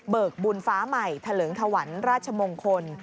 เบิกบุญฟ้าใหม่ทะเลิงทวรรณราชมงคล